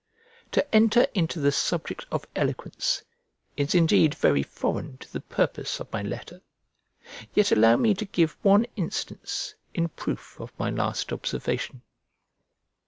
To enter into the subject of eloquence is indeed very foreign to the purpose of my letter, yet allow me to give you one instance in proof of my last observation.